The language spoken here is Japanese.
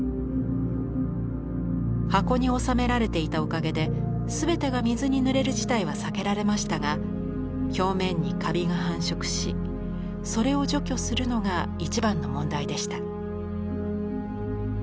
箱に収められていたおかげで全てが水にぬれる事態は避けられましたが表面にカビが繁殖しそれを除去するのが一番の問題でした。